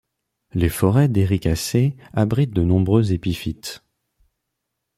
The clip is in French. Les forêts d'Éricacées abritent de nombreux épiphytes.